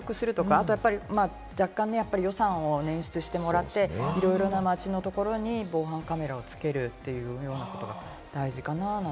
あと若干、予算を捻出してもらって、いろいろな町のところに防犯カメラをつけるというようなことが大事かななんて。